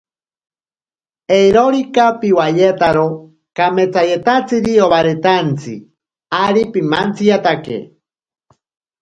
Eirorika piwayetaro kametsayetatsiri obaretantsi, ari pimantsiyatake.